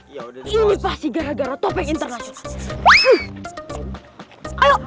ini pasti gara gara topeng internasional